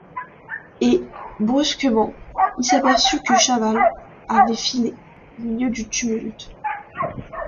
Et, brusquement, il s’aperçut que Chaval avait filé, au milieu du tumulte.